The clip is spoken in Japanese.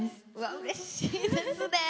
うれしいですね。